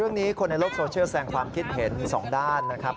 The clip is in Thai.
เรื่องนี้คนในโลกโซเชียลแสงความคิดเห็น๒ด้านนะครับ